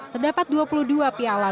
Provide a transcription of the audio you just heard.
terdapat dua puluh dua piala